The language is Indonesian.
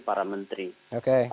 para menteri oke